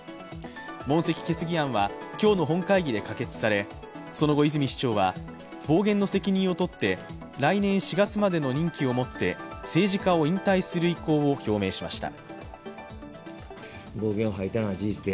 問責決議案は今日の本会議で可決され、その後、泉市長は、暴言の責任をとって、来年４月までの任期をもって政治家を引退する意向を表明しました。